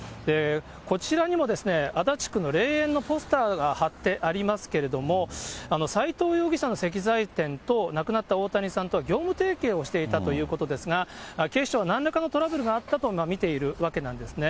こちらにも、足立区の霊園のポスターが貼ってありますけれども、斎藤容疑者の石材店と亡くなった大谷さんとは、業務提携をしていたということですが、警視庁はなんらかのトラブルがあったと見ているわけなんですね。